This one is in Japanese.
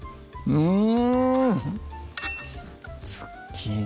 うん